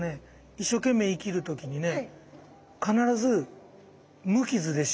一生懸命生きる時にね必ず無傷で死ぬやつはいないんです。